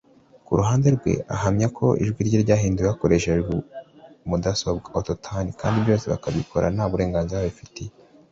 Ku ruhande rwe ahamya ko ijwi rye ryahinduwe bakoresheje mudasobwa(auto-tune) kandi byose bakabikora nta burenganzira babifitiye